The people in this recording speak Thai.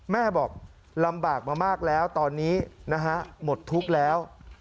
แม่บอกลำบากมามากแล้วตอนนี้นะฮะหมดทุกข์แล้ว